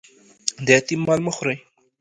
د یتیم مال مه خورئ